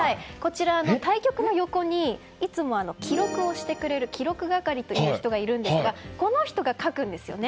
対局者の横にいつも記録をしてくれる記録係という人がいるんですがこの人が書くんですね。